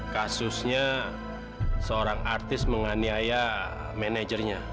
kasusnya seorang artis menganiaya managernya